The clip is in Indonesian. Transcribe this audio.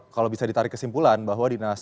kalau bisa ditarik kesimpulan bahwa dinas